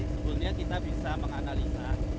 sebelumnya kita bisa menganalisa